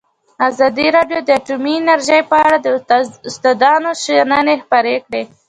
ازادي راډیو د اټومي انرژي په اړه د استادانو شننې خپرې کړي.